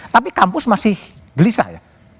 tapi kampus masih gelisah ya